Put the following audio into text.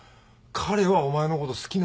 彼はお前のこと好きなんだよな？